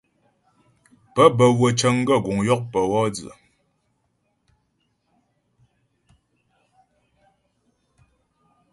Pə́ bə́ wə́ cəŋ gaə́ guŋ yɔkpə wɔ dzə.